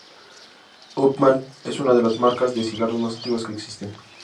H. Upmann es una de las marcas de cigarros más antiguas que existen.